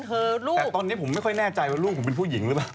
แต่ตอนนี้ผมไม่ค่อยแน่ใจว่าลูกผมเป็นผู้หญิงหรือเปล่า